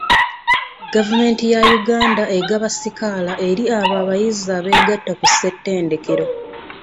Gavumenti ya Uganda egaba sikaala eri abo abayizi abeegatta ku ssettendekero.